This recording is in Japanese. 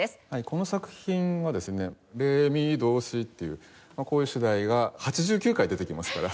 この作品はですね「レミドシ」というこういう主題が８９回出てきますから。